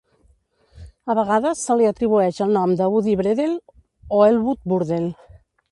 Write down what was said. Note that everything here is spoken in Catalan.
A vegades se li atribueix el nom de Woody Bredell o Elwood Burdell.